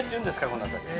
この辺り。